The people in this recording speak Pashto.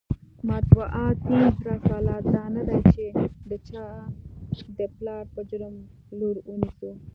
مطبوعاتي رسالت دا نه دی چې د چا د پلار په جرم لور ونیسو.